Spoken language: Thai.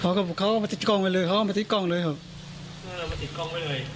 เขาก็บอกเขาเอามาติดกล้องไปเลยเขาก็เอามาติดกล้องเลยครับเอามาติดกล้องไปเลย